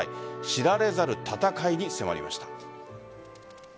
知られざる戦いに迫りました。